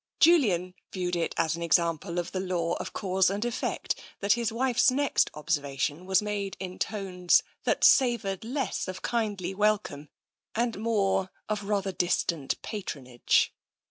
Julian viewed it as an example of the law of cause and effect that his wife's next observation was made in tones that savoured less of kindly welcome' and more of rather distant patronage.